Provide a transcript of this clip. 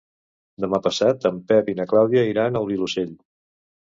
Demà passat en Pep i na Clàudia iran al Vilosell.